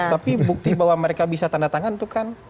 tapi bukti bahwa mereka bisa tanda tangan itu kan